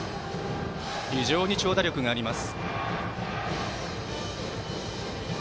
非常に長打力があります。